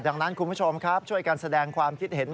ดังนั้นคุณผู้ชมครับช่วยกันแสดงความคิดเห็น